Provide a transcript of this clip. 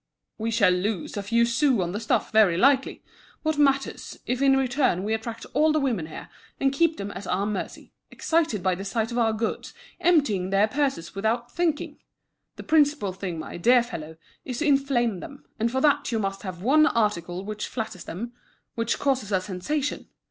"We shall lose a few sous on the stuff, very likely. What matters, if in return we attract all the women here, and keep them at our mercy, excited by the sight of our goods, emptying their purses without thinking? The principal thing, my dear fellow, is to inflame them, and for that you must have one article which flatters them—which causes a sensation.